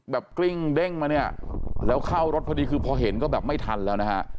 กลิ้งเด้งมาเนี่ยแล้วเข้ารถพอดีคือพอเห็นก็แบบไม่ทันแล้วนะฮะ